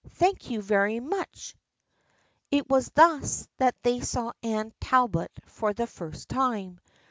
Thank you very much !" It was thus that they saw Anne Talbot for the first time.